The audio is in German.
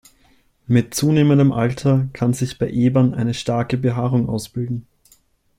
Mit zunehmendem Alter kann sich bei Ebern eine starke Behaarung ausbilden.